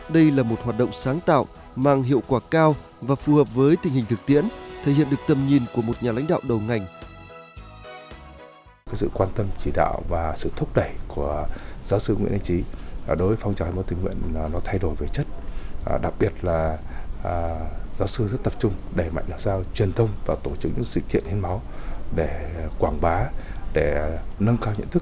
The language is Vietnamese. đây là một hoạt động sáng tạo mang hiệu quả cao và phù hợp với tình hình thực tiễn thể hiện được tầm nhìn của một nhà lãnh đạo đầu ngành